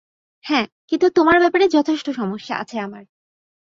হ্যা, কিন্তু তোমার ব্যাপারে যথেষ্ট সমস্যা আছে আমার।